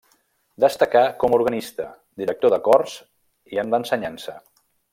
Destacà com a organista, director de cors i en l'ensenyança.